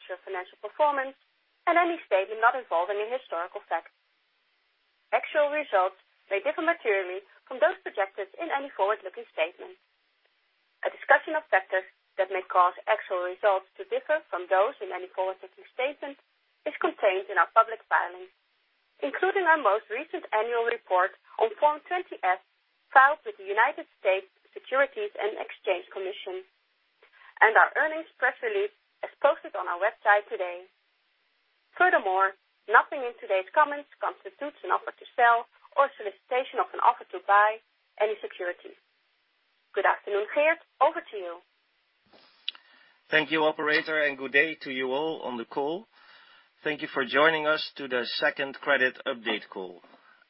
Future financial performance, and any statement not involving a historical fact. Actual results may differ materially from those projected in any forward-looking statement. A discussion of factors that may cause actual results to differ from those in any forward-looking statement is contained in our public filings, including our most recent annual report on Form 20-F filed with the United States Securities and Exchange Commission, and our earnings press release as posted on our website today. Furthermore, nothing in today's comments constitutes an offer to sell or a solicitation of an offer to buy any security. Good afternoon, Geert. Over to you. Thank you, operator, and good day to you all on the call. Thank you for joining us to the second credit update call.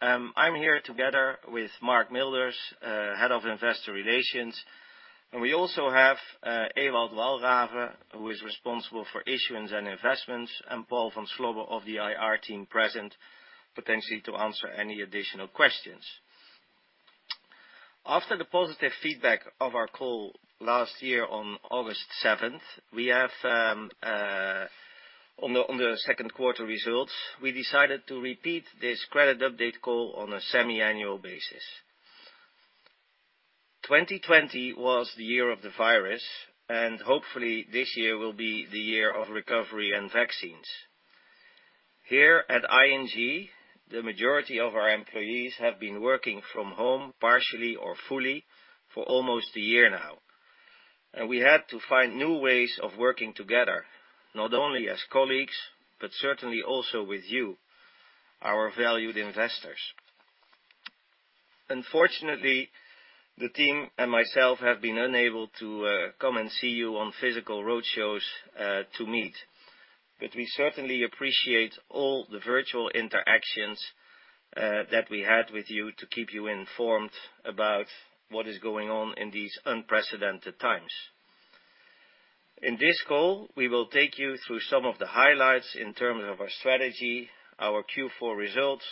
I'm here together with Mark Milders, Head of Investor Relations, and we also have Ewald Walraven, who is responsible for issuance and investments, and Paul van Slobbe of the IR team present, potentially to answer any additional questions. After the positive feedback of our call last year on August 7th on the second quarter results, we decided to repeat this credit update call on a semiannual basis. 2020 was the year of the virus, and hopefully, this year will be the year of recovery and vaccines. Here at ING, the majority of our employees have been working from home partially or fully for almost a year now. We had to find new ways of working together, not only as colleagues, but certainly also with you, our valued investors. Unfortunately, the team and myself have been unable to come and see you on physical roadshows to meet. We certainly appreciate all the virtual interactions that we had with you to keep you informed about what is going on in these unprecedented times. In this call, we will take you through some of the highlights in terms of our strategy, our Q4 results,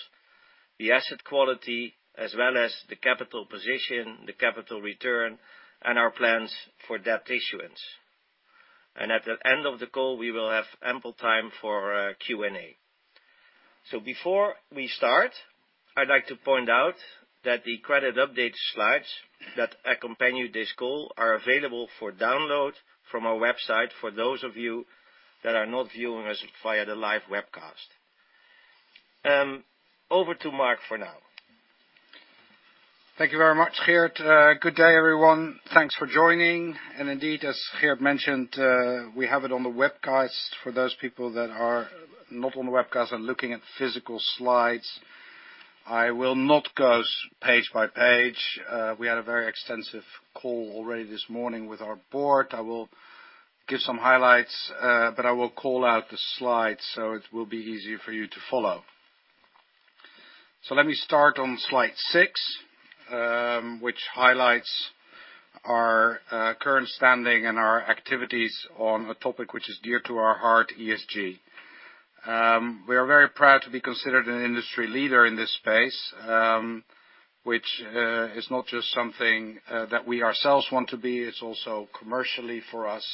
the asset quality, as well as the capital position, the capital return, and our plans for debt issuance. At the end of the call, we will have ample time for Q&A. Before we start, I'd like to point out that the credit update slides that accompany this call are available for download from our website for those of you that are not viewing us via the live webcast. Over to Mark for now. Thank you very much, Geert. Good day, everyone. Thanks for joining. Indeed, as Geert mentioned, we have it on the webcast for those people that are not on the webcast and looking at physical slides. I will not go page by page. We had a very extensive call already this morning with our board. I will give some highlights, but I will call out the slides so it will be easy for you to follow. Let me start on slide six, which highlights our current standing and our activities on a topic which is dear to our heart, ESG. We are very proud to be considered an industry leader in this space, which is not just something that we ourselves want to be, it's also commercially for us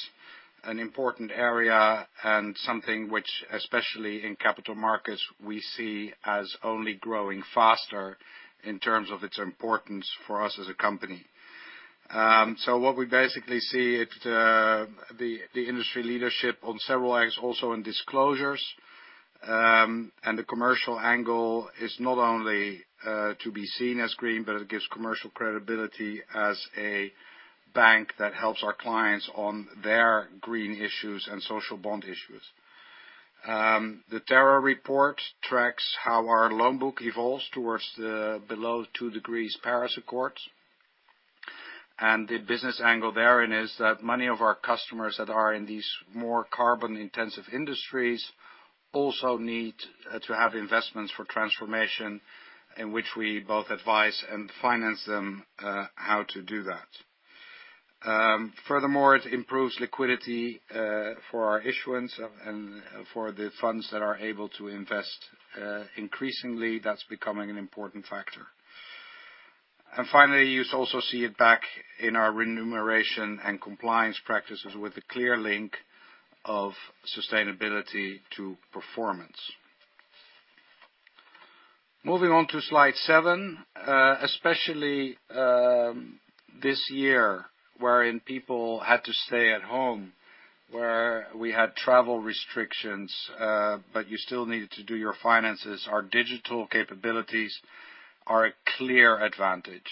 an important area and something which, especially in capital markets, we see as only growing faster in terms of its importance for us as a company. What we basically see, the industry leadership on several axes, also in disclosures. The commercial angle is not only to be seen as green, but it gives commercial credibility as a bank that helps our clients on their green issues and social bond issues. The Terra report tracks how our loan book evolves towards the below two degrees Paris Agreement. The business angle therein is that many of our customers that are in these more carbon-intensive industries also need to have investments for transformation, in which we both advise and finance them how to do that. Furthermore, it improves liquidity for our issuance and for the funds that are able to invest. Increasingly, that's becoming an important factor. Finally, you also see it back in our remuneration and compliance practices with the clear link of sustainability to performance. Moving on to slide seven. Especially this year, wherein people had to stay at home, where we had travel restrictions, but you still needed to do your finances, our digital capabilities are a clear advantage.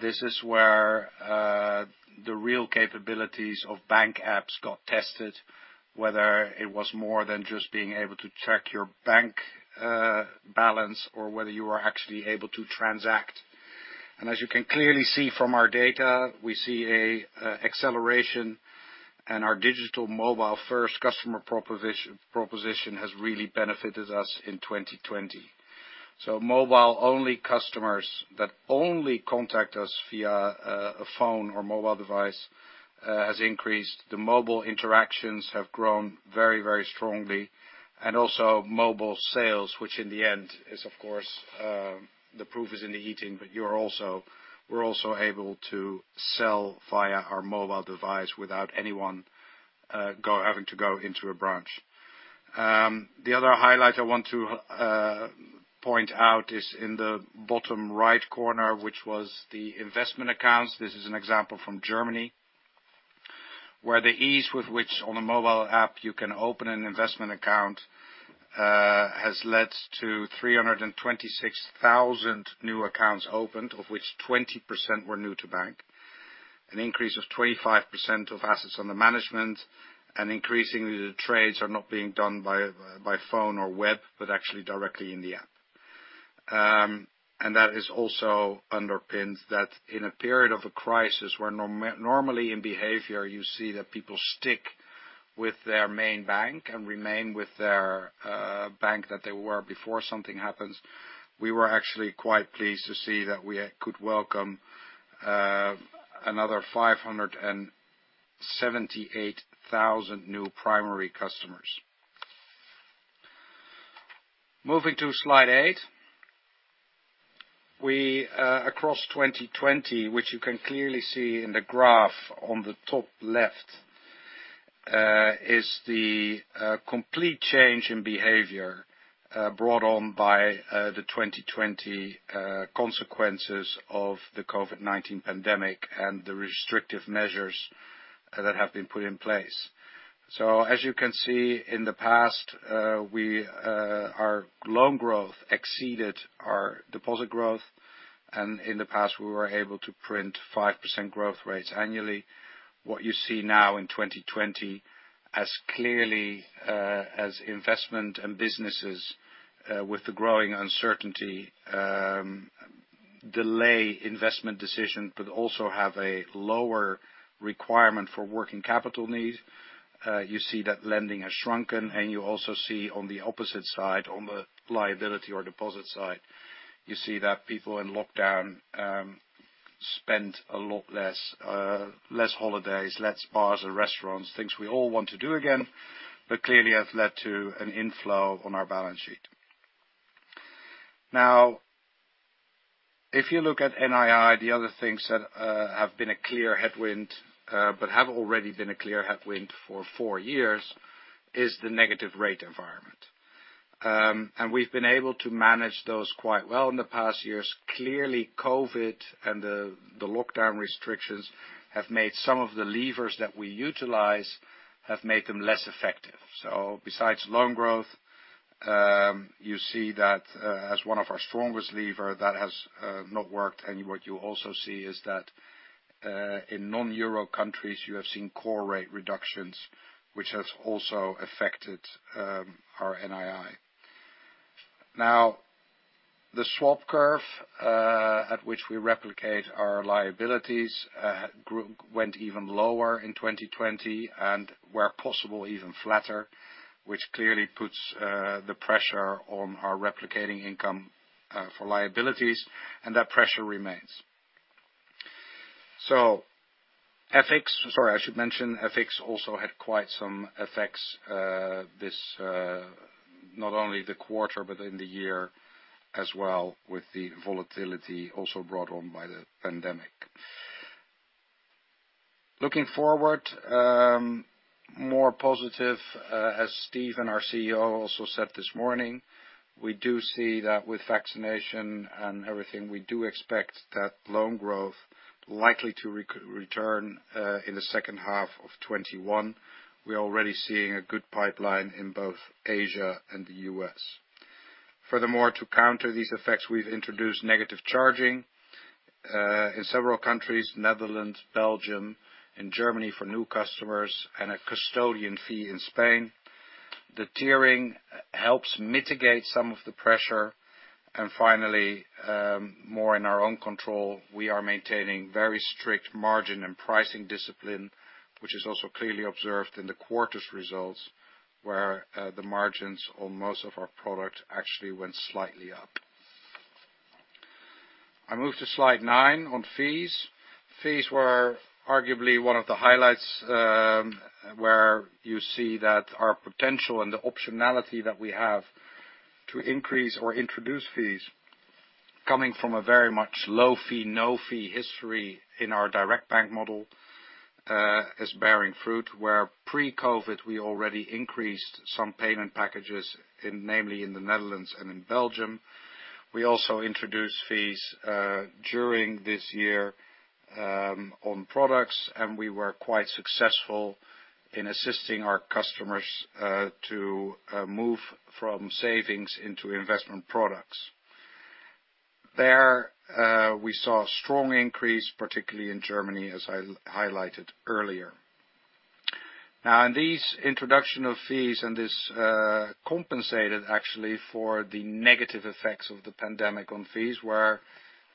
This is where the real capabilities of bank apps got tested, whether it was more than just being able to track your bank balance or whether you were actually able to transact. As you can clearly see from our data, we see an acceleration, and our digital mobile-first customer proposition has really benefited us in 2020. Mobile-only customers that only contact us via a phone or mobile device has increased. The mobile interactions have grown very strongly, and also mobile sales, which in the end is, of course, the proof is in the eating, but we're also able to sell via our mobile device without anyone having to go into a branch. The other highlight I want to point out is in the bottom right corner, which was the investment accounts. This is an example from Germany, where the ease with which on a mobile app you can open an investment account has led to 326,000 new accounts opened, of which 20% were new to bank. An increase of 25% of assets under management, and increasingly the trades are not being done by phone or web, but actually directly in the app. That is also underpins that in a period of a crisis where normally in behavior you see that people stick with their main bank and remain with their bank that they were before something happens. We were actually quite pleased to see that we could welcome another 578,000 new primary customers. Moving to slide eight. Across 2020, which you can clearly see in the graph on the top left, is the complete change in behavior brought on by the 2020 consequences of the COVID-19 pandemic and the restrictive measures that have been put in place. As you can see, in the past, our loan growth exceeded our deposit growth, and in the past, we were able to print 5% growth rates annually. What you see now in 2020 as clearly as investment and businesses with the growing uncertainty, delay investment decisions, but also have a lower requirement for working capital needs. You see that lending has shrunken, and you also see on the opposite side, on the liability or deposit side, you see that people in lockdown spend a lot less holidays, less bars and restaurants, things we all want to do again, but clearly have led to an inflow on our balance sheet. If you look at NII, the other things that have been a clear headwind, but have already been a clear headwind for four years is the negative rate environment. We've been able to manage those quite well in the past years. Clearly, COVID and the lockdown restrictions have made some of the levers that we utilize have made them less effective. Besides loan growth, you see that as one of our strongest lever, that has not worked. What you also see is that in non-euro countries, you have seen core rate reductions, which has also affected our NII. The swap curve, at which we replicate our liabilities went even lower in 2020 and where possible, even flatter, which clearly puts the pressure on our replicating income for liabilities, and that pressure remains. Sorry, I should mention, FX also had quite some effects, not only the quarter but in the year as well with the volatility also brought on by the pandemic. Looking forward, more positive, as Steven, our CEO, also said this morning, we do see that with vaccination and everything, we do expect that loan growth likely to return in the second half of 2021. We're already seeing a good pipeline in both Asia and the U.S. Furthermore, to counter these effects, we've introduced negative charging in several countries, Netherlands, Belgium and Germany for new customers and a custodian fee in Spain. The tiering helps mitigate some of the pressure. Finally, more in our own control, we are maintaining very strict margin and pricing discipline, which is also clearly observed in the quarter's results, where the margins on most of our product actually went slightly up. I move to slide nine on fees. Fees were arguably one of the highlights, where you see that our potential and the optionality that we have to increase or introduce fees coming from a very much low fee, no fee history in our direct bank model, is bearing fruit where pre-COVID, we already increased some payment packages namely in the Netherlands and in Belgium. We also introduced fees during this year on products, and we were quite successful in assisting our customers to move from savings into investment products. There, we saw a strong increase, particularly in Germany, as I highlighted earlier. Now, in these introduction of fees and this compensated actually for the negative effects of the pandemic on fees, where,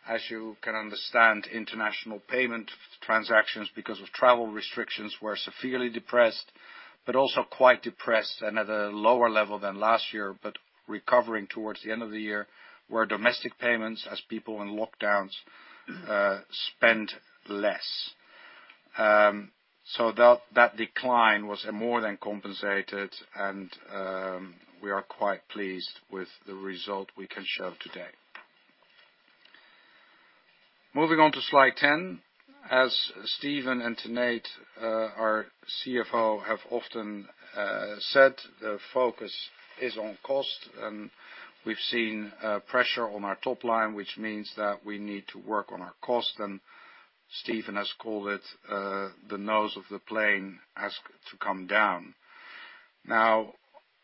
as you can understand, international payment transactions because of travel restrictions were severely depressed, but also quite depressed and at a lower level than last year, but recovering towards the end of the year, where domestic payments, as people in lockdowns, spent less. That decline was more than compensated and we are quite pleased with the result we can show today. Moving on to slide 10. As Steven and Tanate, our CFO, have often said, the focus is on cost. We've seen pressure on our top line, which means that we need to work on our cost. Steven has called it, the nose of the plane has to come down.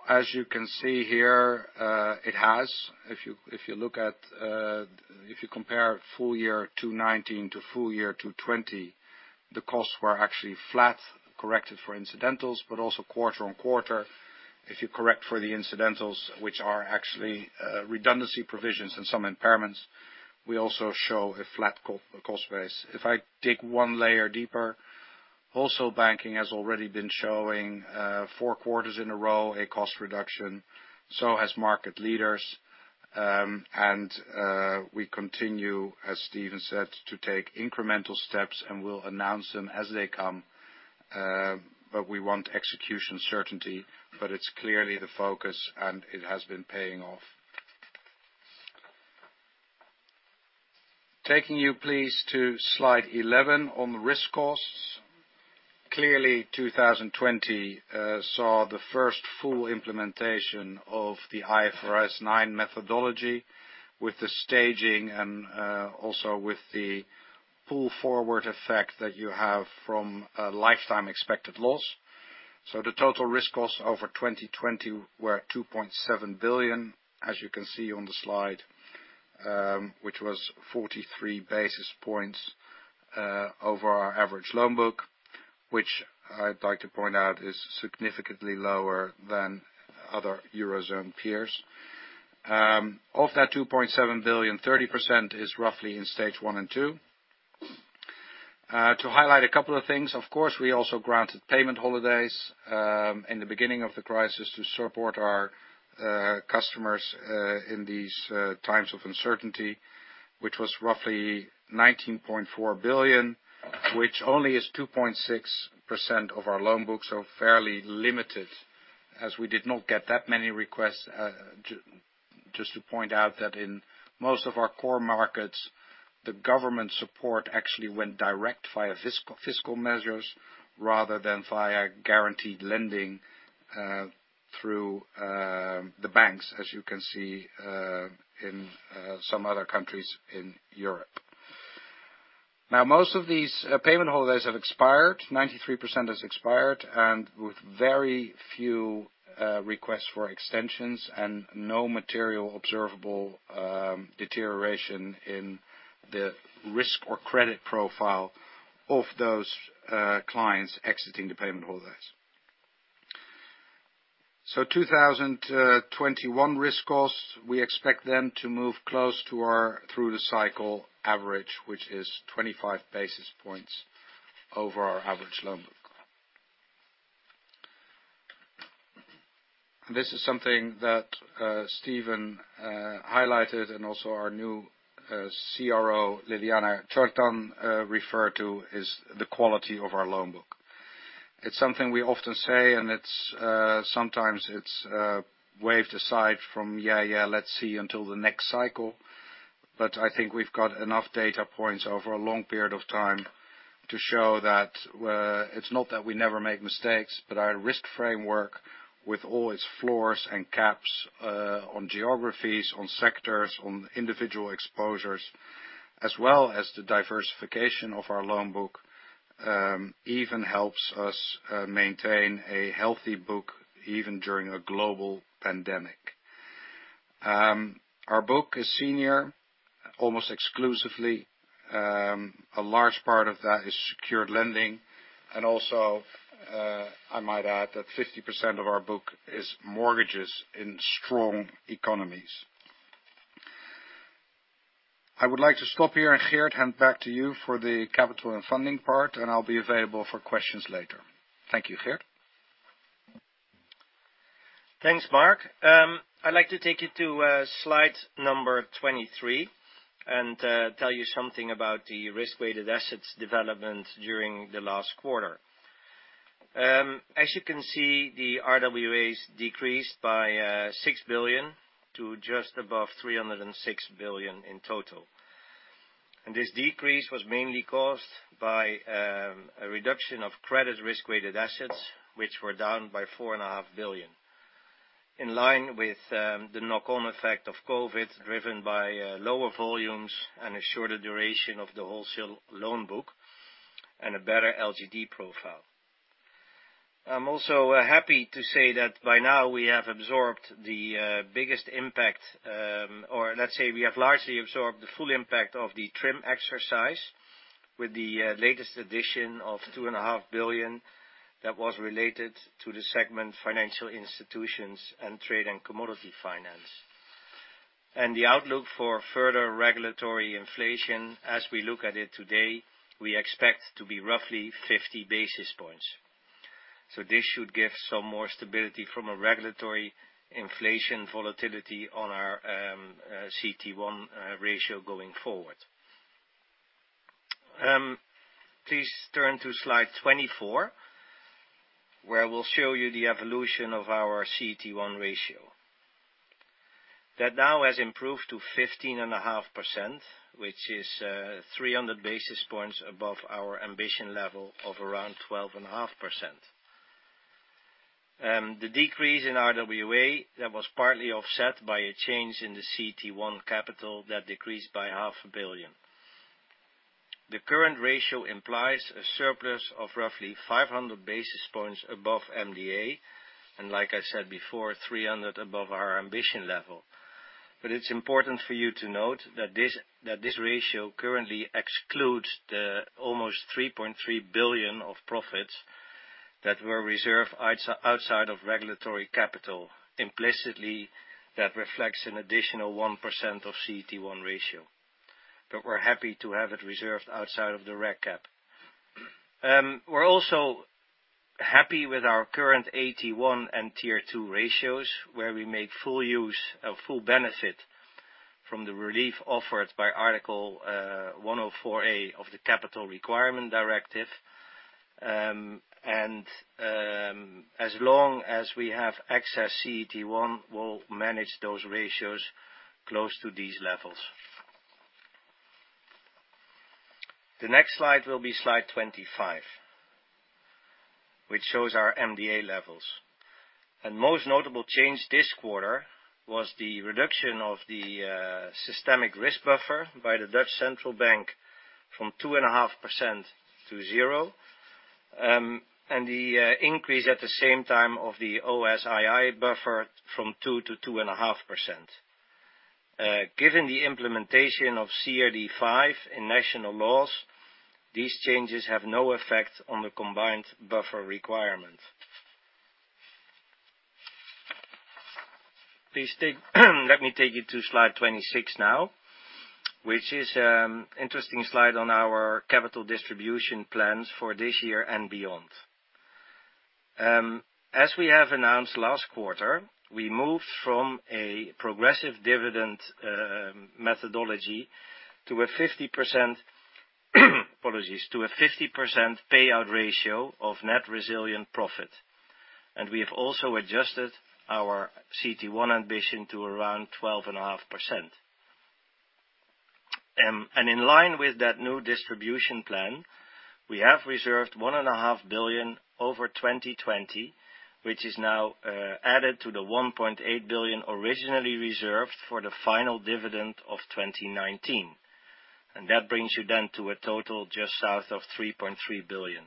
As you can see here, it has. If you compare full year 2019 to full year 2020, the costs were actually flat, corrected for incidentals, also quarter-on-quarter. If you correct for the incidentals, which are actually redundancy provisions and some impairments, we also show a flat cost base. If I dig one layer deeper, Wholesale Banking has already been showing four quarters in a row a cost reduction, so has Market Leaders. We continue, as Steven said, to take incremental steps, and we'll announce them as they come. We want execution certainty, but it's clearly the focus, and it has been paying off. Taking you please to slide 11 on risk costs. Clearly, 2020 saw the first full implementation of the IFRS 9 methodology with the staging and also with the pull-forward effect that you have from a lifetime expected loss. The total risk costs over 2020 were at 2.7 billion, as you can see on the slide, which was 43 basis points over our average loan book, which I'd like to point out is significantly lower than other Eurozone peers. Of that 2.7 billion, 30% is roughly in stage one and two. To highlight a couple of things, of course, we also granted payment holidays in the beginning of the crisis to support our customers in these times of uncertainty, which was roughly 19.4 billion, which only is 2.6% of our loan book, so fairly limited, as we did not get that many requests. Just to point out that in most of our core markets, the government support actually went direct via fiscal measures rather than via guaranteed lending through the banks, as you can see in some other countries in Europe. Most of these payment holidays have expired. 93% has expired, and with very few requests for extensions and no material observable deterioration in the risk or credit profile of those clients exiting the payment holidays. 2021 risk costs, we expect them to move close to our through-the-cycle average, which is 25 basis points over our average loan book. This is something that Steven highlighted and also our new CRO, Ljiljana Čortan, referred to, is the quality of our loan book. It's something we often say, sometimes it's waved aside from, "Yeah, let's see until the next cycle." I think we've got enough data points over a long period of time to show that it's not that we never make mistakes, but our risk framework with all its floors and caps on geographies, on sectors, on individual exposures, as well as the diversification of our loan book even helps us maintain a healthy book even during a global pandemic. Our book is senior, almost exclusively. A large part of that is secured lending. Also, I might add that 50% of our book is mortgages in strong economies. I would like to stop here, Geert, hand back to you for the capital and funding part, I'll be available for questions later. Thank you, Geert. Thanks, Mark. I'd like to take you to slide number 23 and tell you something about the risk-weighted assets development during the last quarter. As you can see, the RWAs decreased by 6 billion to just above 306 billion in total. This decrease was mainly caused by a reduction of credit risk-weighted assets, which were down by four and a half billion. In line with the knock-on effect of COVID, driven by lower volumes and a shorter duration of the Wholesale Banking loan book and a better LGD profile. I'm also happy to say that by now we have absorbed the biggest impact, or let's say we have largely absorbed the full impact of the TRIM exercise with the latest addition of 2.5 billion that was related to the segment financial institutions and trade and commodity finance. The outlook for further regulatory inflation as we look at it today, we expect to be roughly 50 basis points. This should give some more stability from a regulatory inflation volatility on our CET1 ratio going forward. Please turn to slide 24, where we'll show you the evolution of our CET1 ratio. That now has improved to 15.5%, which is 300 basis points above our ambition level of around 12.5%. The decrease in RWA, that was partly offset by a change in the CET1 capital that decreased by 500 million. The current ratio implies a surplus of roughly 500 basis points above MDA, and like I said before, 300 above our ambition level. It's important for you to note that this ratio currently excludes the almost 3.3 billion of profits that were reserved outside of regulatory capital. Implicitly, that reflects an additional 1% of CET1 ratio. We're happy to have it reserved outside of the reg cap. We're also happy with our current AT1 and Tier 2 ratios, where we made full use of full benefit from the relief offered by Article 104a of the Capital Requirements Directive. As long as we have excess CET1, we'll manage those ratios close to these levels. The next slide will be slide 25, which shows our MDA levels. Most notable change this quarter was the reduction of the systemic risk buffer by the De Nederlandsche Bank from 2.5% to 0%, and the increase at the same time of the O-SII buffer from 2% to 2.5%. Given the implementation of CRD V in national laws, these changes have no effect on the combined buffer requirement. Please let me take you to slide 26 now, which is interesting slide on our capital distribution plans for this year and beyond. As we have announced last quarter, we moved from a progressive dividend methodology to a 50% payout ratio of net resilient profit, we have also adjusted our CET1 ambition to around 12.5%. In line with that new distribution plan, we have reserved 1.5 billion over 2020, which is now added to the 1.8 billion originally reserved for the final dividend of 2019. That brings you then to a total just south of 3.3 billion.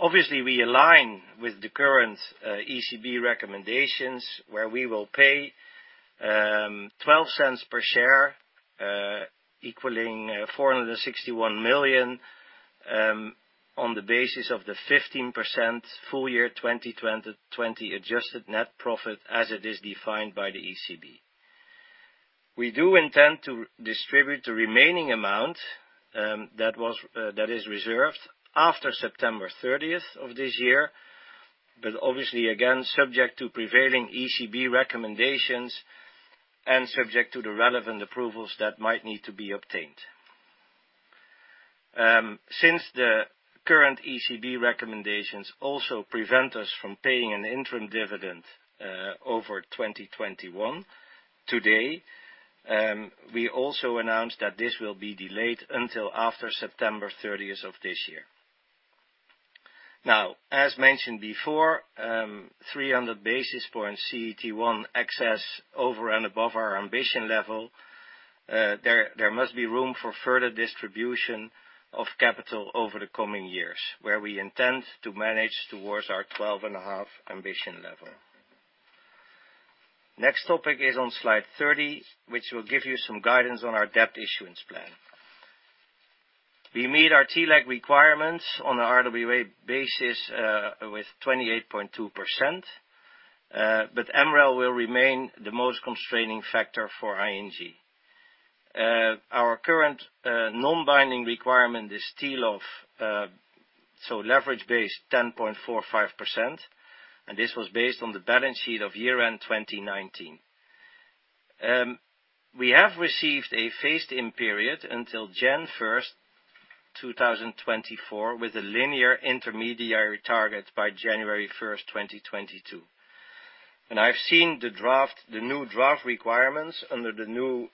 Obviously, we align with the current ECB recommendations, where we will pay 0.12 per share, equaling 461 million, on the basis of the 15% full-year 2020 adjusted net profit as it is defined by the ECB. We do intend to distribute the remaining amount that is reserved after September 30th of this year, obviously, again, subject to prevailing ECB recommendations and subject to the relevant approvals that might need to be obtained. Since the current ECB recommendations also prevent us from paying an interim dividend over 2021, today, we also announced that this will be delayed until after September 30th of this year. As mentioned before, 300 basis points CET1 excess over and above our ambition level, there must be room for further distribution of capital over the coming years, where we intend to manage towards our 12.5 ambition level. Next topic is on slide 30, which will give you some guidance on our debt issuance plan. We meet our TLAC requirements on a RWA basis with 28.2%, MREL will remain the most constraining factor for ING. Our current non-binding requirement is still leverage base 10.45%, and this was based on the balance sheet of year-end 2019. We have received a phased-in period until January 1st, 2024, with a linear intermediary target by January 1st, 2022. I've seen the new draft requirements under the new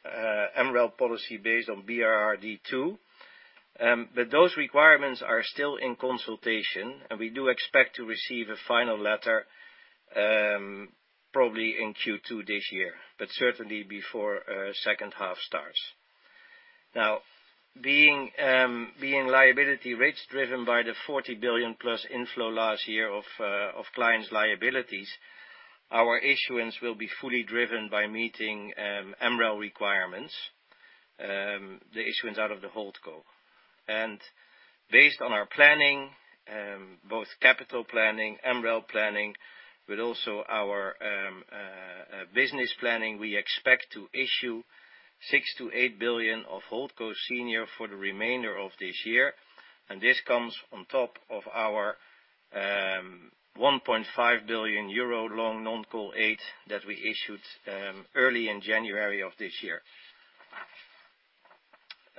MREL policy based on BRRD II, those requirements are still in consultation, we do expect to receive a final letter probably in Q2 this year, certainly before second half starts. Now, being liability rates driven by the 40+ billion inflow last year of clients' liabilities, our issuance will be fully driven by meeting MREL requirements, the issuance out of the HoldCo. Based on our planning, both capital planning, MREL planning, also our business planning, we expect to issue 6 billion-8 billion of HoldCo Senior for the remainder of this year. This comes on top of our 1.5 billion euro long non-call 8 that we issued early in January of this year.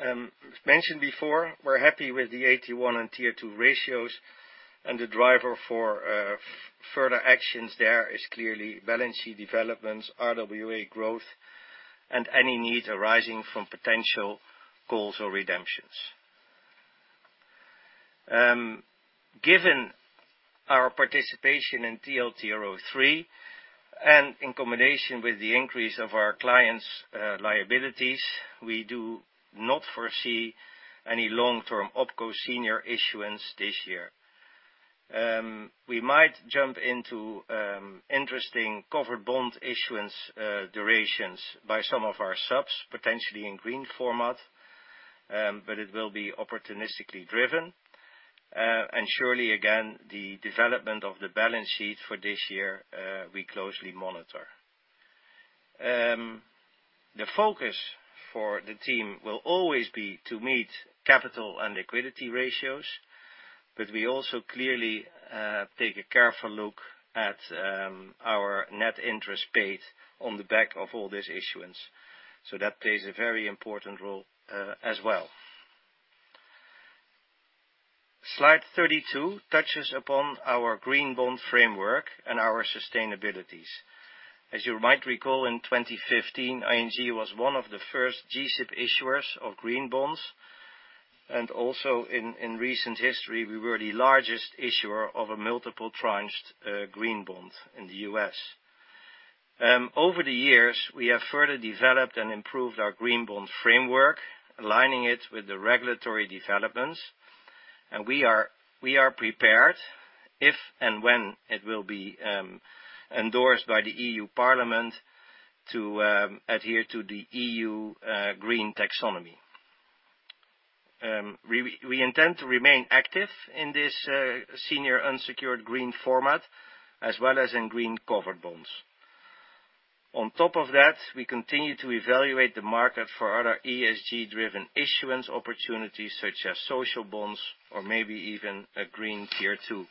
We've mentioned before, we're happy with the AT1 and Tier 2 ratios, and the driver for further actions there is clearly balance sheet developments, RWA growth, and any needs arising from potential calls or redemptions. Given our participation in TLTRO III and in combination with the increase of our clients' liabilities, we do not foresee any long-term OpCo senior issuance this year. We might jump into interesting covered bond issuance durations by some of our subs, potentially in green format, but it will be opportunistically driven. Surely, again, the development of the balance sheet for this year, we closely monitor. The focus for the team will always be to meet capital and liquidity ratios, but we also clearly take a careful look at our net interest paid on the back of all this issuance. That plays a very important role as well. Slide 32 touches upon our green bond framework and our sustainabilities. As you might recall, in 2015, ING was one of the first G-SIB issuers of green bonds. In recent history, we were the largest issuer of a multiple-tranched green bond in the U.S. Over the years, we have further developed and improved our green bond framework, aligning it with the regulatory developments. We are prepared, if and when it will be endorsed by the EU Parliament, to adhere to the EU Taxonomy. We intend to remain active in this senior unsecured green format as well as in green covered bonds. On top of that, we continue to evaluate the market for other ESG-driven issuance opportunities such as social bonds or maybe even a green Tier 2.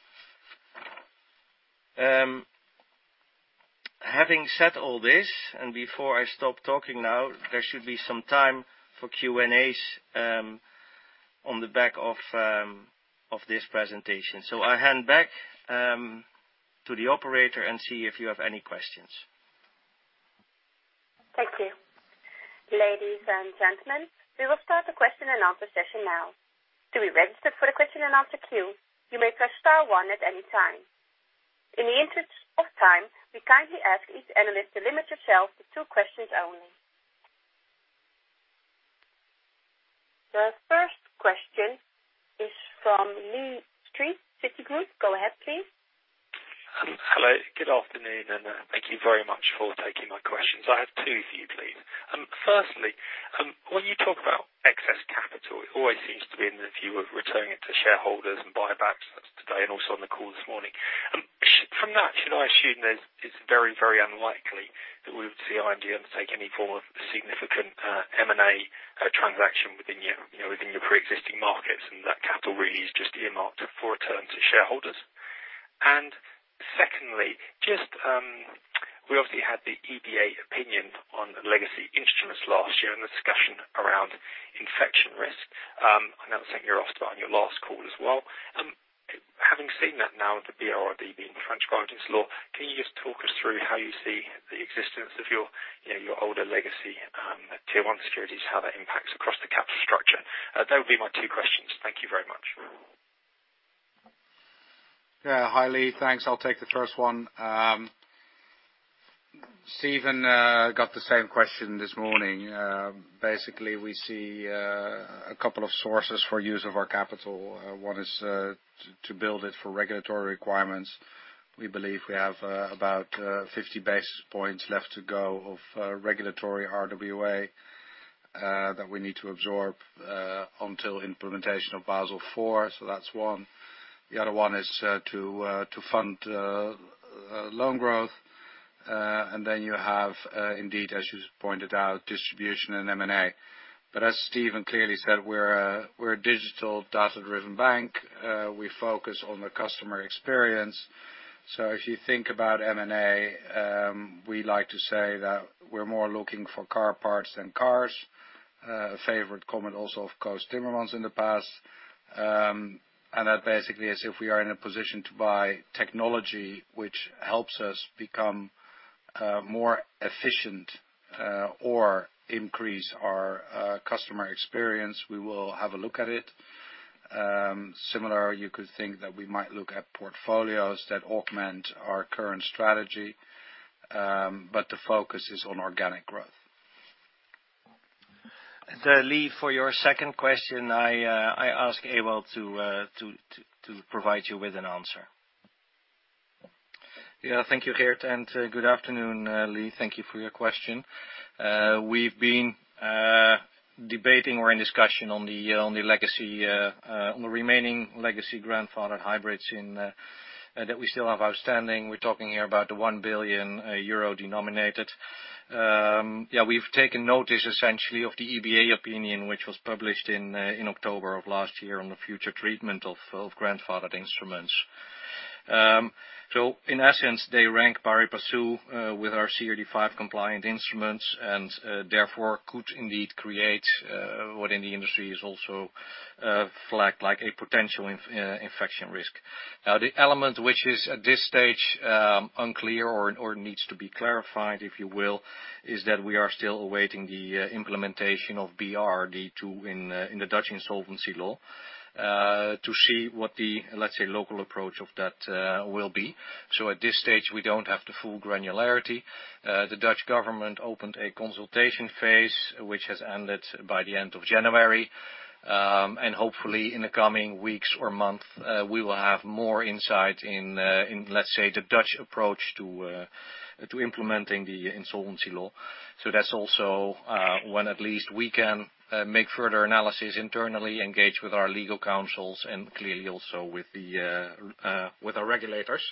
Having said all this, and before I stop talking now, there should be some time for Q&As on the back of this presentation. I hand back to the operator and see if you have any questions. Thank you. Ladies and gentlemen, we will start the question and answer session now. For the question and answer queue, you may press star one at anytime. In the interest of time, we kindly ask each analyst to limit yourself to two questions only. The first question is from Lee Street, Citigroup. Go ahead, please. Hello. Good afternoon. Thank you very much for taking my questions. I have two for you please. Firstly, when you talk about excess capital, it always seems to be in the view of returning it to shareholders and buybacks today and also on the call this morning. From that, should I assume that it's very unlikely that we would see ING undertake any form of significant M&A transaction within your preexisting markets, and that capital really is just earmarked for return to shareholders? Secondly, we obviously had the EBA opinion on legacy instruments last year and the discussion around infection risk. I know that's something you were asked about on your last call as well. Having seen that now with the BRRD being transcribed into law, can you just talk us through how you see the existence of your older legacy Tier 1 securities, how that impacts across the capital structure? That would be my two questions. Thank you very much. Yeah, hi Lee. Thanks, I'll take the first one. Steven got the same question this morning. Basically, we see a couple of sources for use of our capital. One is to build it for regulatory requirements. We believe we have about 50 basis points left to go of regulatory RWA that we need to absorb until implementation of Basel IV. That's one. The other one is to fund loan growth. Then you have indeed, as you pointed out, distribution and M&A. As Steven clearly said, we're a digital data-driven bank. We focus on the customer experience. If you think about M&A, we like to say that we're more looking for car parts than cars. A favorite comment also, of course, Timmermans in the past. That basically is if we are in a position to buy technology which helps us become more efficient or increase our customer experience, we will have a look at it. Similar, you could think that we might look at portfolios that augment our current strategy, but the focus is on organic growth. Lee, for your second question, I ask Ewald to provide you with an answer. Thank you, Geert, and good afternoon, Lee. Thank you for your question. We've been debating or in discussion on the remaining legacy grandfathered hybrids that we still have outstanding. We're talking here about the 1 billion euro denominated. We've taken notice essentially of the EBA opinion, which was published in October of last year on the future treatment of grandfathered instruments. In essence, they rank pari passu with our CRD V compliant instruments and therefore could indeed create what in the industry is also flagged like a potential infection risk. The element which is at this stage unclear or needs to be clarified, if you will, is that we are still awaiting the implementation of BRRD II in the Dutch insolvency law to see what the, let's say, local approach of that will be. At this stage, we don't have the full granularity. The Dutch government opened a consultation phase, which has ended by the end of January. Hopefully in the coming weeks or month, we will have more insight in, let's say, the Dutch approach to implementing the insolvency law. That's also when at least we can make further analysis internally, engage with our legal counsels, and clearly also with our regulators.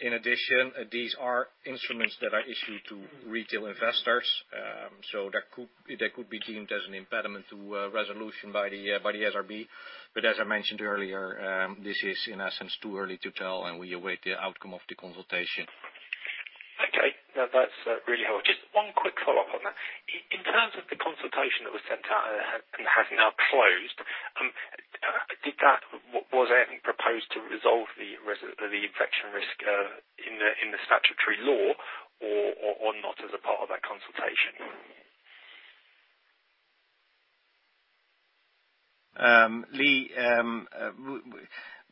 In addition, these are instruments that are issued to retail investors. That could be deemed as an impediment to resolution by the SRB. As I mentioned earlier, this is in essence too early to tell, and we await the outcome of the consultation. Okay. No, that's really helpful. Just one quick follow-up on that. In terms of the consultation that was sent out and has now closed, was anything proposed to resolve the infection risk in the statutory law or not as a part of that consultation? Lee,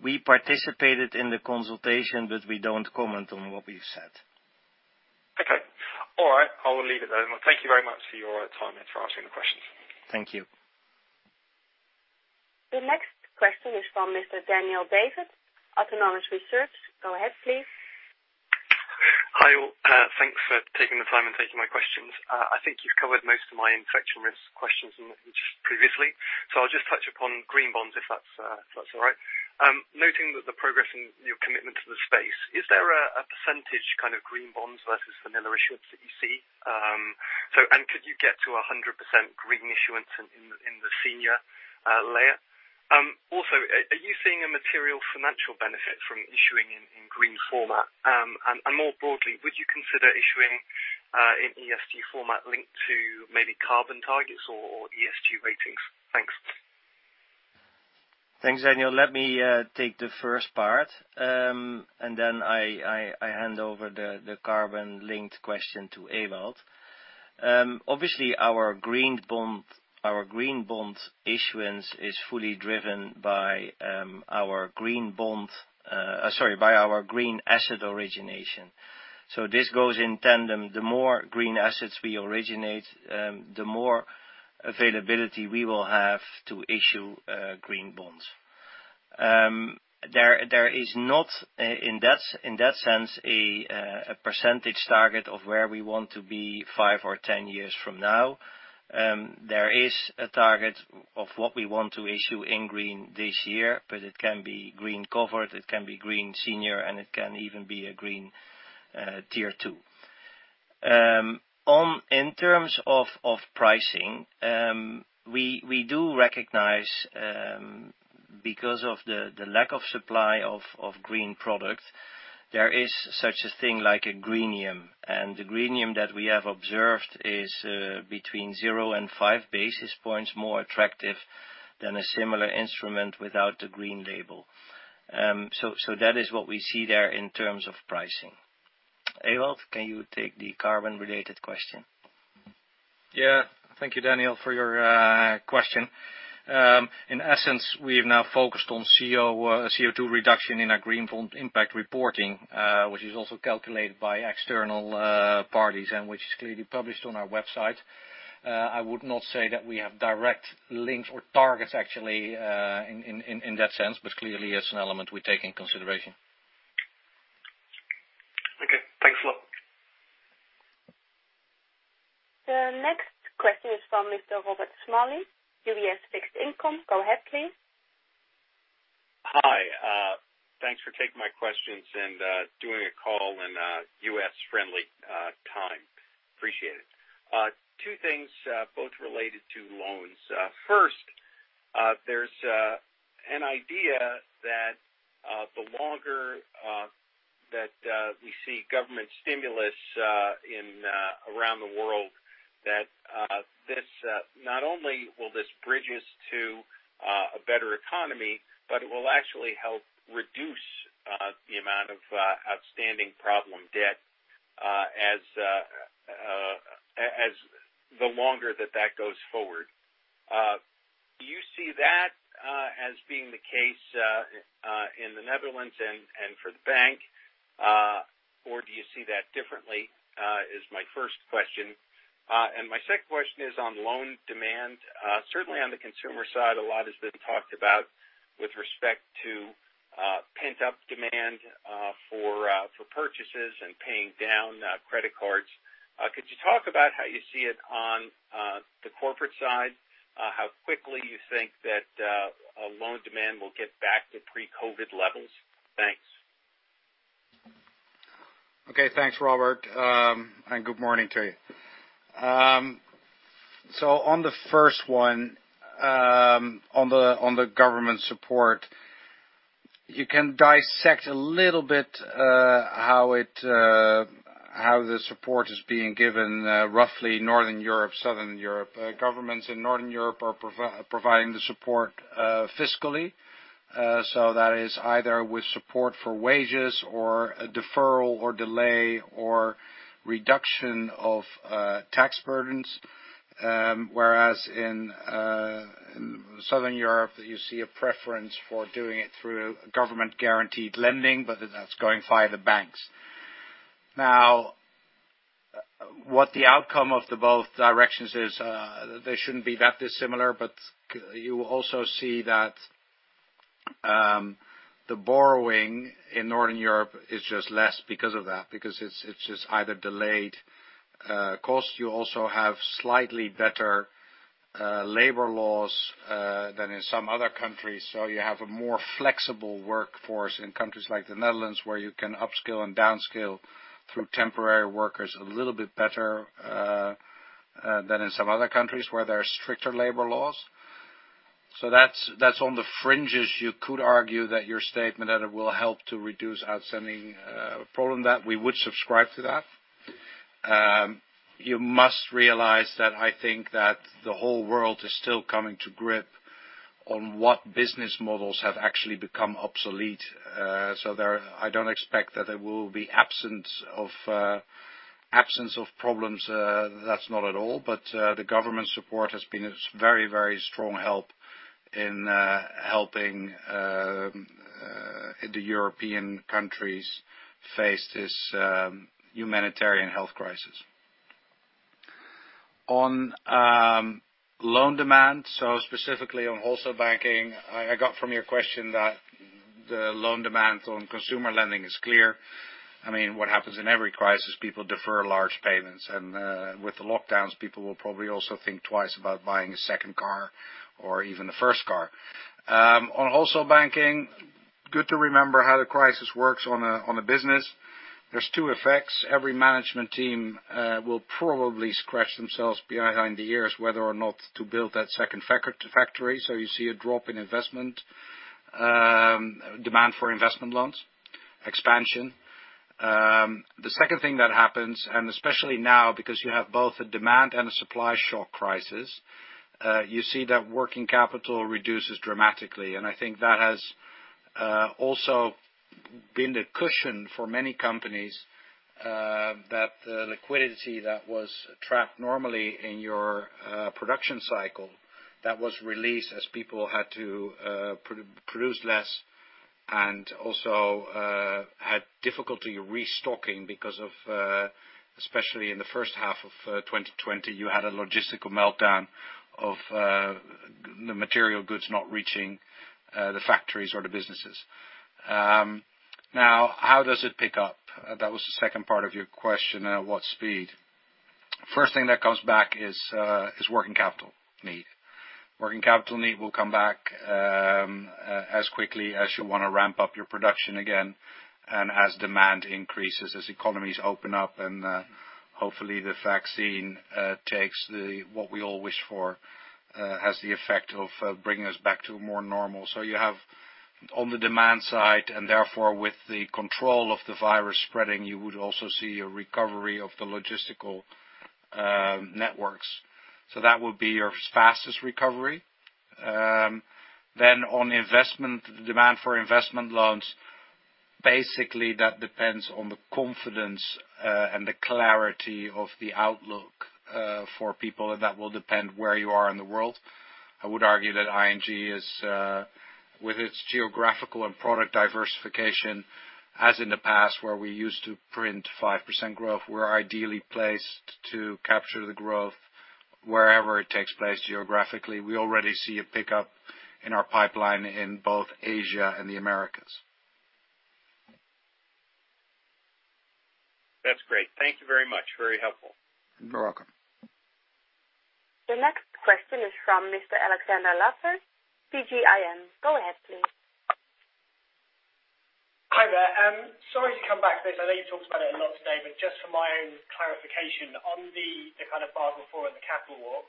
we participated in the consultation, but we don't comment on what we've said. Okay. All right. I will leave it there. Thank you very much for your time and for answering the questions. Thank you. The next question is from Mr. Daniel Davis, Autonomous Research. Go ahead, please. Hi all. Thanks for taking the time and taking my questions. I think you've covered most of my inflation risk questions in the, just previously. I'll just touch upon green bonds, if that's all right. Noting that the progress in your commitment to the space, is there a percentage green bonds versus vanilla issuance that you see? Could you get to 100% green issuance in the senior layer? Also, are you seeing a material financial benefit from issuing in green format? More broadly, would you consider issuing an ESG format linked to maybe carbon targets or ESG ratings? Thanks. Thanks, Daniel. Let me take the first part, and then I hand over the carbon-linked question to Ewald. Obviously, our green bond issuance is fully driven by our green asset origination. This goes in tandem. The more green assets we originate, the more availability we will have to issue green bonds. There is not, in that sense, a percentage target of where we want to be five or 10 years from now. There is a target of what we want to issue in green this year, but it can be green covered, it can be green senior, and it can even be a green Tier 2. In terms of pricing, we do recognize, because of the lack of supply of green product, there is such a thing like a greenium. The greenium that we have observed is between zero and five basis points more attractive than a similar instrument without the green label. That is what we see there in terms of pricing. Ewald, can you take the carbon-related question? Yeah. Thank you, Daniel, for your question. In essence, we've now focused on CO2 reduction in our green bond impact reporting, which is also calculated by external parties and which is clearly published on our website. I would not say that we have direct links or targets actually in that sense. Clearly, it's an element we take in consideration. Okay. Thanks a lot. The next question is from Mr. Robert Smalley, UBS Fixed Income. Go ahead, please. Hi. Thanks for taking my questions and doing a call in U.S.-friendly time. Appreciate it. Two things both related to loans. First, there's an idea that the longer that we see government stimulus around the world, that not only will this bridge us to a better economy, but it will actually help reduce the amount of outstanding problem debt the longer that that goes forward. Do you see that as being the case in the Netherlands and for the bank or do you see that differently, is my first question. My second question is on loan demand. Certainly, on the consumer side, a lot has been talked about with respect to pent-up demand for purchases and paying down credit cards. Could you talk about how you see it on the corporate side, how quickly you think that loan demand will get back to pre-COVID levels? Thanks. Okay. Thanks, Robert. Good morning to you. On the first one, on the government support, you can dissect a little bit how the support is being given, roughly Northern Europe, Southern Europe. Governments in Northern Europe are providing the support fiscally. That is either with support for wages or a deferral or delay or reduction of tax burdens. Whereas in Southern Europe, you see a preference for doing it through government-guaranteed lending, that's going via the banks. Now, what the outcome of the both directions is, they shouldn't be that dissimilar, you also see that the borrowing in Northern Europe is just less because of that, because it's just either delayed cost. You also have slightly better labor laws than in some other countries. You have a more flexible workforce in countries like the Netherlands, where you can upskill and downskill through temporary workers a little bit better than in some other countries where there are stricter labor laws. That's on the fringes. You could argue that your statement that it will help to reduce outstanding problem, that we would subscribe to that. You must realize that I think that the whole world is still coming to grips on what business models have actually become obsolete. I don't expect that there will be absence of problems. That's not at all, the government support has been a very strong help in helping the European countries face this humanitarian health crisis. On loan demand, so specifically on Wholesale Banking, I got from your question that the loan demand on consumer lending is clear. What happens in every crisis, people defer large payments. With the lockdowns, people will probably also think twice about buying a second car or even a first car. On Wholesale Banking, good to remember how the crisis works on a business. There's two effects. Every management team will probably scratch themselves behind the ears whether or not to build that second factory. You see a drop in investment, demand for investment loans, expansion. The second thing that happens, and especially now, because you have both a demand and a supply shock crisis, you see that working capital reduces dramatically. I think that has also been the cushion for many companies that the liquidity that was trapped normally in your production cycle, that was released as people had to produce less and also had difficulty restocking because of, especially in the first half of 2020, you had a logistical meltdown of the material goods not reaching the factories or the businesses. How does it pick up? That was the second part of your question. At what speed? First thing that comes back is working capital need. Working capital need will come back as quickly as you want to ramp up your production again, and as demand increases, as economies open up, and hopefully the vaccine takes what we all wish for, has the effect of bringing us back to more normal. You have on the demand side, and therefore with the control of the virus spreading, you would also see a recovery of the logistical networks. On investment, demand for investment loans, basically, that depends on the confidence and the clarity of the outlook for people, and that will depend where you are in the world. I would argue that ING is with its geographical and product diversification, as in the past, where we used to print 5% growth, we're ideally placed to capture the growth wherever it takes place geographically. We already see a pickup in our pipeline in both Asia and the Americas. That's great. Thank you very much. Very helpful. You're welcome. The next question is from Mr. Alexander Lassers, PGIM. Go ahead, please. Hi there. Sorry to come back to this. I know you talked about it a lot today, but just for my own clarification on the kind of Basel IV and the capital wall.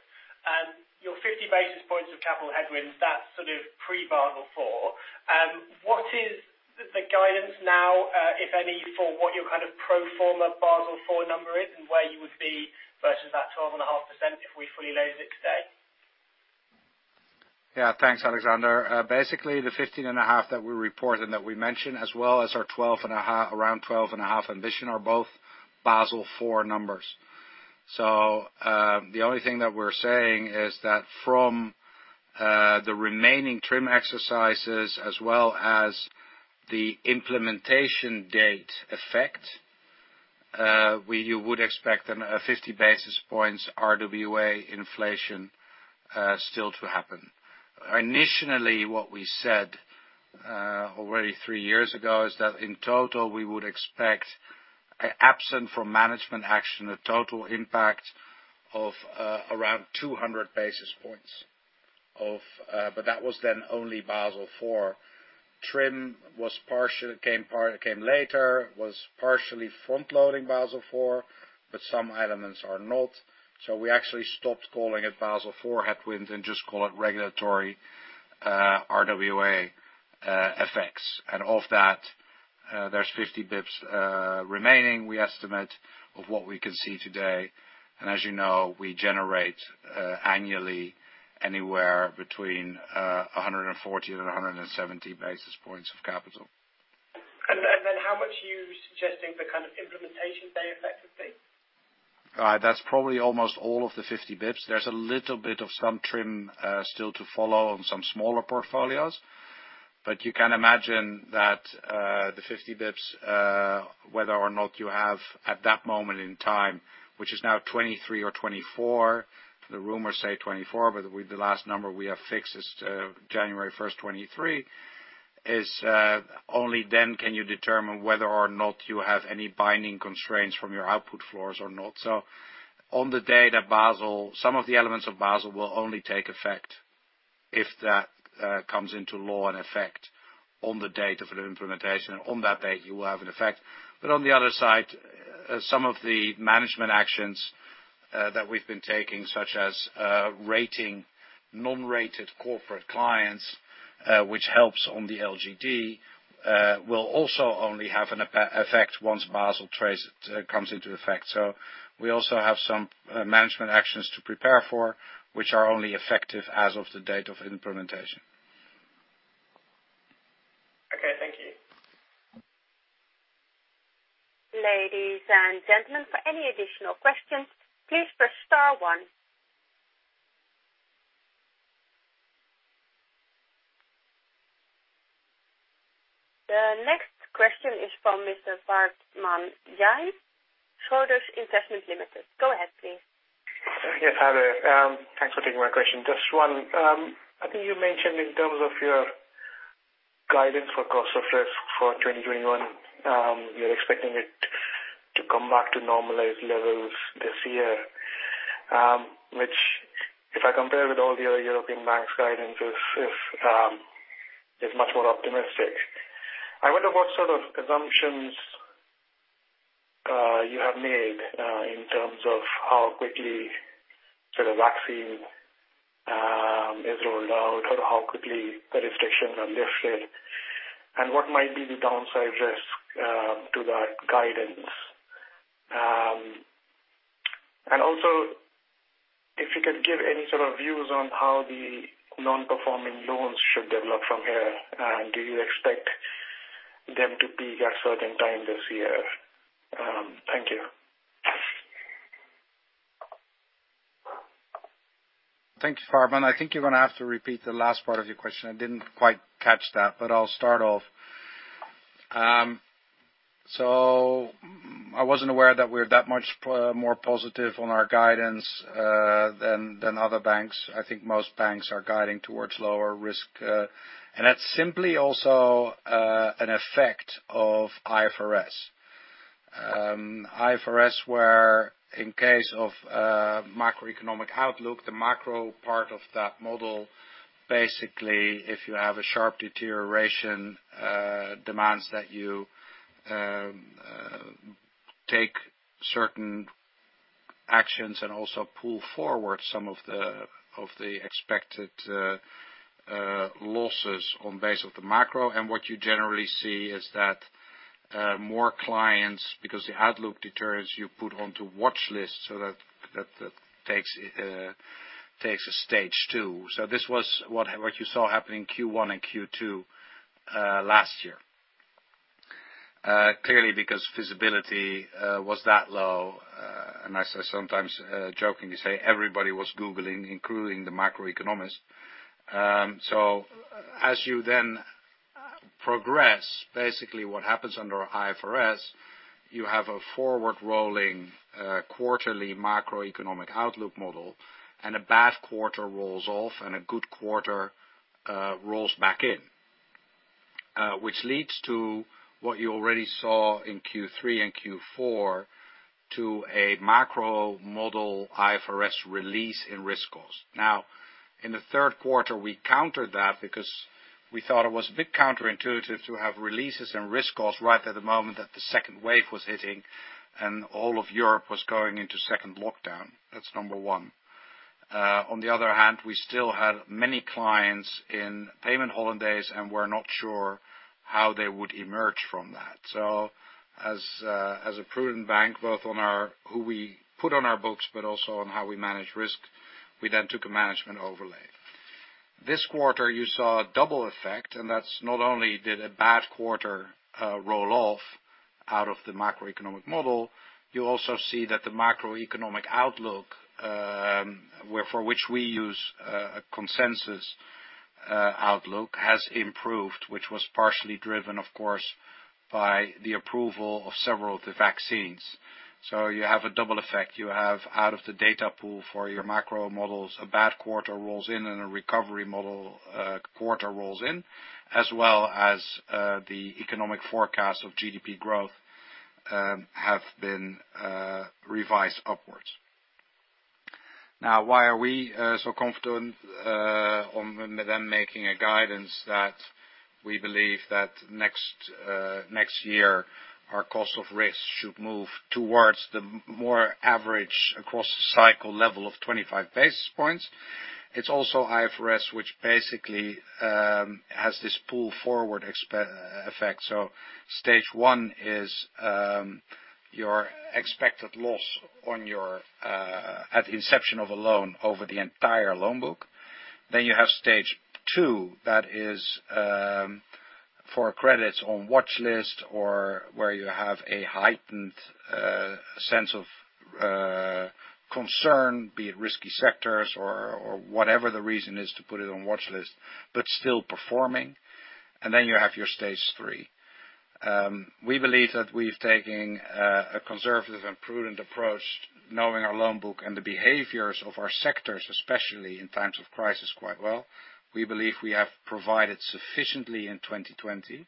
Your 50 basis points of capital headwinds, that's sort of pre-Basel IV. What is the guidance now, if any, for what your kind of pro forma Basel IV number is and where you would be versus that 12.5% if we fully loaded it today? Thanks, Alexander. The 15.5% that we reported and that we mentioned, as well as our around 12.5% ambition are both Basel IV numbers. The only thing that we're saying is that from the remaining TRIM exercises as well as the implementation date effect, you would expect a 50 basis points RWA inflation still to happen. Initially, what we said, already three years ago, is that in total, we would expect, absent from management action, a total impact of around 200 basis points. That was then only Basel IV. TRIM came later, was partially front-loading Basel IV, some elements are not. We actually stopped calling it Basel IV headwind and just call it regulatory RWA effects. Of that, there's 50 basis points remaining, we estimate, of what we can see today. As you know, we generate annually anywhere between 140 and 170 basis points of capital. How much are you suggesting the kind of implementation day effect would be? That's probably almost all of the 50 basis points. There's a little bit of some TRIM still to follow on some smaller portfolios. You can imagine that the 50 basis points, whether or not you have at that moment in time, which is now 2023 or 2024, the rumors say 2024, but the last number we have fixed is January 1st, 2023, is only then can you determine whether or not you have any binding constraints from your output floors or not. On the day that some of the elements of Basel will only take effect if that comes into law and effect on the date of implementation. On that date, you will have an effect. On the other side, some of the management actions that we've been taking, such as rating non-rated corporate clients, which helps on the LGD, will also only have an effect once Basel comes into effect. We also have some management actions to prepare for, which are only effective as of the date of implementation. Okay, thank you. Ladies and gentlemen, for any additional questions, please press star one. The next question is from Mr. Varman Jai, Schroders Investment Limited. Go ahead, please. Yes, hi there. Thanks for taking my question. Just one. I think you mentioned in terms of your guidance for cost of risk for 2021, you're expecting it to come back to normalized levels this year, which if I compare with all the other European banks' guidance is much more optimistic. I wonder what sort of assumptions you have made in terms of how quickly vaccine is rolled out or how quickly the restrictions are lifted, and what might be the downside risk to that guidance. Also, if you could give any sort of views on how the non-performing loans should develop from here, and do you expect them to peak at a certain time this year? Thank you. Thank you, Varman. I think you're going to have to repeat the last part of your question. I didn't quite catch that, but I'll start off. I wasn't aware that we're that much more positive on our guidance than other banks. I think most banks are guiding towards lower risk. That's simply also an effect of IFRS. IFRS, where in case of a macroeconomic outlook, the macro part of that model, basically, if you have a sharp deterioration, demands that you take certain actions and also pull forward some of the expected losses on base of the macro. What you generally see is that more clients, because the outlook deteriorates, you put onto watch lists so that takes a stage two. This was what you saw happen in Q1 and Q2 last year. Clearly because visibility was that low, and I sometimes jokingly say everybody was googling, including the macroeconomists. As you then progress, basically what happens under IFRS, you have a forward-rolling quarterly macroeconomic outlook model, and a bad quarter rolls off and a good quarter rolls back in, which leads to what you already saw in Q3 and Q4 to a macro model IFRS release in risk cost. In the third quarter, we countered that because we thought it was a bit counterintuitive to have releases and risk costs right at the moment that the second wave was hitting and all of Europe was going into second lockdown. That's number one. We still had many clients in payment holidays, and we're not sure how they would emerge from that. As a prudent bank, both on who we put on our books, but also on how we manage risk, we then took a management overlay. This quarter, you saw a double effect, and that's not only did a bad quarter roll off out of the macroeconomic model, you also see that the macroeconomic outlook, for which we use a consensus outlook, has improved, which was partially driven, of course, by the approval of several of the vaccines. You have a double effect. You have out of the data pool for your macro models, a bad quarter rolls in and a recovery model quarter rolls in, as well as the economic forecast of GDP growth have been revised upwards. Why are we so confident on them making a guidance that we believe that next year, our cost of risk should move towards the more average across the cycle level of 25 basis points. It's also IFRS, which basically has this pull-forward effect. Stage one is your expected loss at the inception of a loan over the entire loan book. You have stage two, that is for credits on watchlist or where you have a heightened sense of concern, be it risky sectors or whatever the reason is to put it on watchlist, but still performing. You have your stage three. We believe that we've taken a conservative and prudent approach, knowing our loan book and the behaviors of our sectors, especially in times of crisis, quite well. We believe we have provided sufficiently in 2020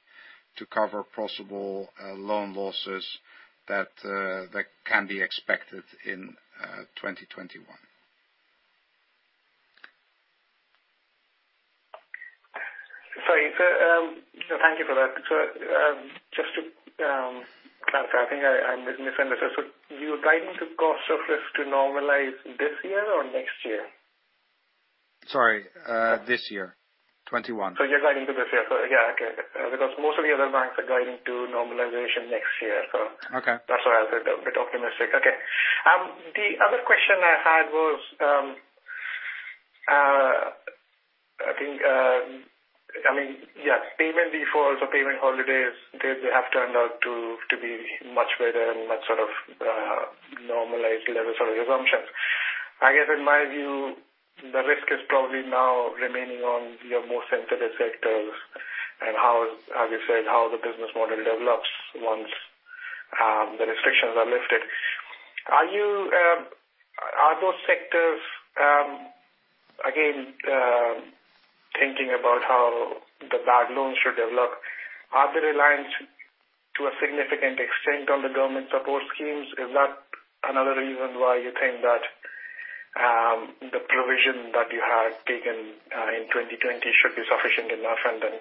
to cover possible loan losses that can be expected in 2021. Sorry. Thank you for that. Just to clarify, I think I misheard this. You're guiding the cost of risk to normalize this year or next year? Sorry, this year, 2021. You're guiding to this year. Yeah. Okay. Because most of the other banks are guiding to normalization next year. Okay. That's why I said a bit optimistic. Okay. The other question I had was, I think, payment defaults or payment holidays, they have turned out to be much better than that sort of normalized level sort of assumptions. I guess in my view, the risk is probably now remaining on your more sensitive sectors and how, as you said, how the business model develops once the restrictions are lifted. Are those sectors, again, thinking about how the bad loans should develop, are they reliant to a significant extent on the government support schemes? Is that another reason why you think that the provision that you had taken, in 2020 should be sufficient enough and then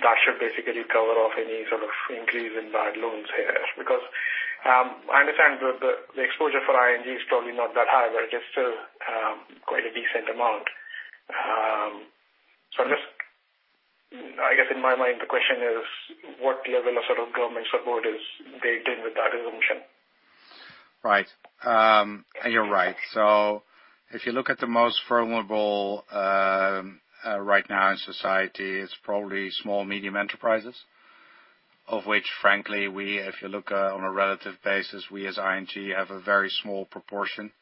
that should basically cover off any sort of increase in bad loans here? I understand the exposure for ING is probably not that high, but it is still quite a decent amount. I guess in my mind, the question is, what level of government support is baked in with that assumption? Right. You're right. If you look at the most vulnerable right now in society, it's probably small, medium enterprises, of which frankly, if you look on a relative basis, we as ING have a very small proportion.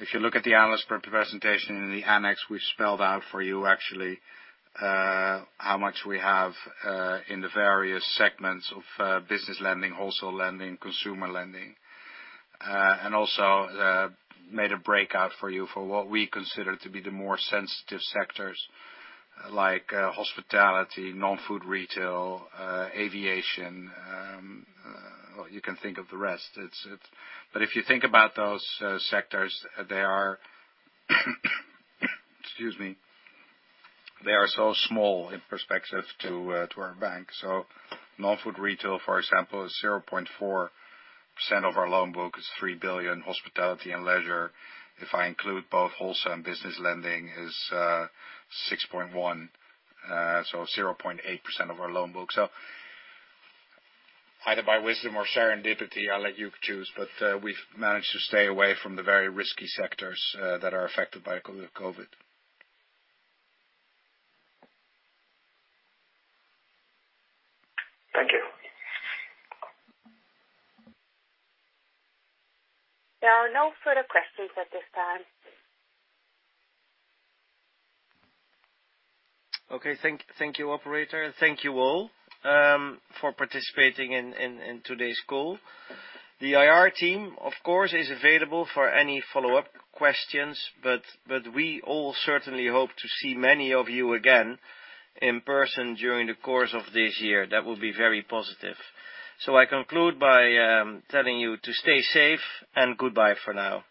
If you look at the analyst presentation in the annex, we spelled out for you actually how much we have in the various segments of business lending, wholesale lending, consumer lending. Also made a breakout for you for what we consider to be the more sensitive sectors like hospitality, non-food retail, aviation, you can think of the rest. If you think about those sectors, they are so small in perspective to our bank. Non-food retail, for example, is 0.4% of our loan book is 3 billion. Hospitality and leisure, if I include both wholesale and business lending is 6.1%, so 0.8% of our loan book. Either by wisdom or serendipity, I'll let you choose, but we've managed to stay away from the very risky sectors that are affected by COVID. Thank you. There are no further questions at this time. Okay. Thank you, operator. Thank you all for participating in today's call. The IR team, of course, is available for any follow-up questions, but we all certainly hope to see many of you again in person during the course of this year. That will be very positive. I conclude by telling you to stay safe, and goodbye for now.